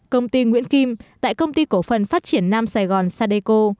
công ty nguyễn kim tại công ty cổ phần phát triển nam sài gòn sadeco